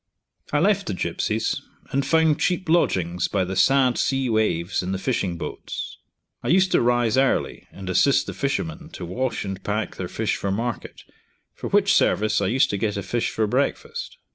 I left the Gipsies, and found cheap lodgings by the sad sea waves, in the fishing boats. I used to rise early and assist the fishermen to wash and pack their fish for market, for which service I used to get a fish for breakfast.